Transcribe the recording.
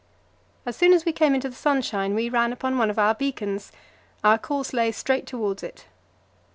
As soon as we came into the sunshine, we ran upon one of our beacons; our course lay straight towards it.